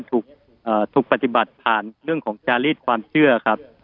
ถูกปฏิบัติผ่านเรื่องของจารีดความเชื่อครับ